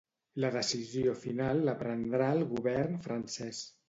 La decisió final la prendrà el govern francès.